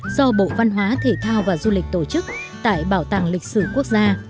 do bộ văn hóa thể thao và du lịch tổ chức tại bảo tàng lịch sử quốc gia